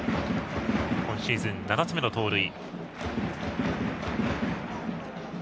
今シーズン７つ目の盗塁。